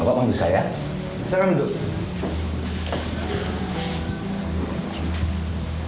pak manjusha ya silakan duduk